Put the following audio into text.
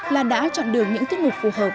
là đã chọn được những tiết mục phù hợp